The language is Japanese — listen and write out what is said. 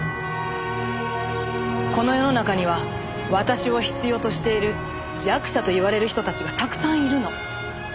この世の中には私を必要としている弱者といわれる人たちがたくさんいるの。